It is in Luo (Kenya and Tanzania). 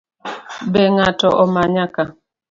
Be ng’ato omanya ka?